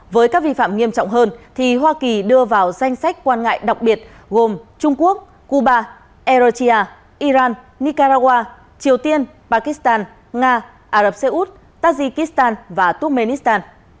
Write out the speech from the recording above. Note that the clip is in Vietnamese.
với các vi phạm nghiêm trọng hơn thì hoa kỳ đưa vào danh sách quan ngại đặc biệt gồm trung quốc cuba ericia iran nicaragua triều tiên pakistan nga ả rập xê út tajikistan và tukhenistan